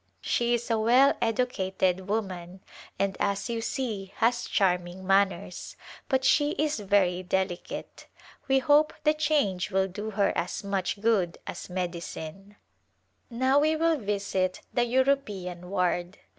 She is a well educated woman, and, as you see, has charming manners, but she is very delicate. We hope the change will do her as much good as medicine. Now we will visit the European ward.